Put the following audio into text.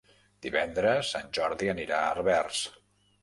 Divendres en Jordi anirà a Herbers.